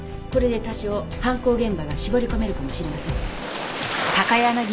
これで多少犯行現場が絞り込めるかもしれません。